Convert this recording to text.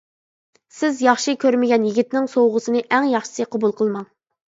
سىز ياخشى كۆرمىگەن يىگىتنىڭ سوۋغىسىنى ئەڭ ياخشىسى قوبۇل قىلماڭ.